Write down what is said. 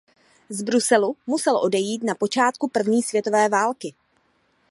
Z Bruselu musel odejít na počátku první světové války.